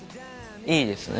いいですね